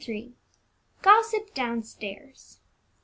GOSSIP DOWNSTAIRS.